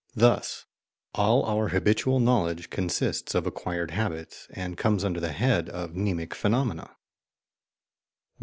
Thus all our habitual knowledge consists of acquired habits, and comes under the head of mnemic phenomena.